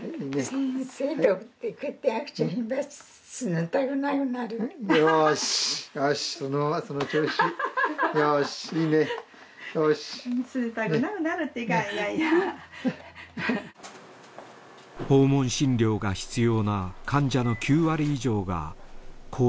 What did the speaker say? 訪問診療が必要な患者の９割以上が高齢者です。